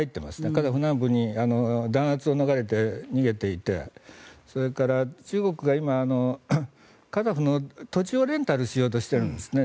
カザフ南部に弾圧を逃れて逃げていてそれから、中国が今カザフの土地をレンタルしようとしているんですね。